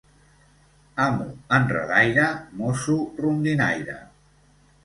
Amo enredaire, mosso rondinaire.